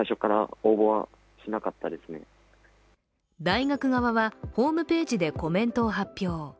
大学側はホームページでコメントを発表。